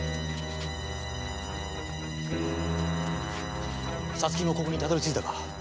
皐月もここにたどり着いたか。